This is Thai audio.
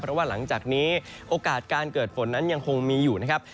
เพราะว่าหลังจากนี้โอกาสการเกิดฝนนั้นยังคงมีอยู่นะครับ